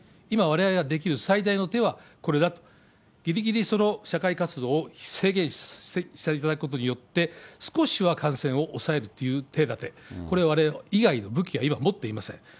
今、われわれができる最大の手はこれだと、ぎりぎり、その社会活動を制限していただくことによって、少しは感染を抑えるという手だて、これ以外の武器は今持っていません。